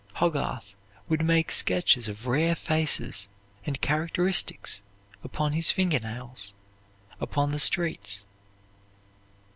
Hogarth would make sketches of rare faces and characteristics upon his finger nails upon the streets.